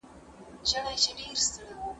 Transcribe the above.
زه چايي څښلي دی؟